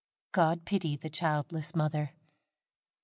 God pity the childless mother.